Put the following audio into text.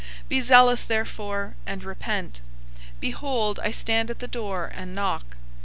Be zealous therefore, and repent. 003:020 Behold, I stand at the door and knock.